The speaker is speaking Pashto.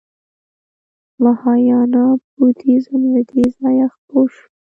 مهایانا بودیزم له دې ځایه خپور شو